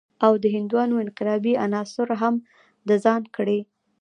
او د هندوانو انقلابي عناصر هم د ځان کړي.